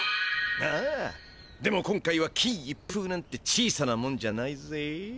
ああでも今回はきんいっぷうなんて小さなもんじゃないぜ。